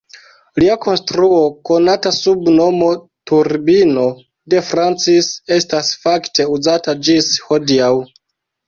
Lia konstruo konata sub nomo Turbino de Francis estas fakte uzata ĝis hodiaŭ.